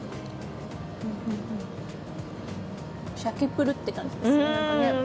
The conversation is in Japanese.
シャキプルって感じですね。